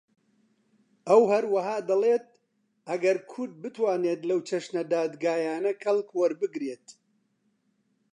ئەو هەروەها دەڵێت ئەگەر کورد بتوانێت لەو چەشنە دادگایانە کەڵک وەربگرێت